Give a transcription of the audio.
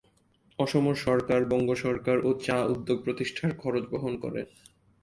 অসম সরকার, বঙ্গ সরকার ও চা উদ্যোগ প্রতিষ্ঠার খরচ বহন করে।